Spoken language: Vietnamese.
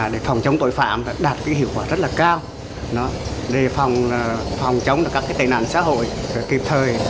để phòng chống tội phạm đạt hiệu quả rất cao để phòng chống các tệ nạn xã hội kịp thời